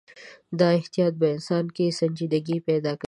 دا احتیاط په انسان کې سنجیدګي پیدا کوي.